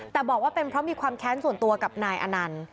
แต่บอกว่าเป็นเพราะมีความแค้นส่วนตัวกับนายอนันต์